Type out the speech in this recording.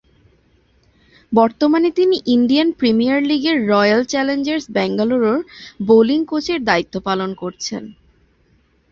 বর্তমানে তিনি Indian Premier লীগে রয়্যাল চ্যালেঞ্জার্স ব্যাঙ্গালোরের বোলিং কোচের দায়িত্ব পালন করছেন।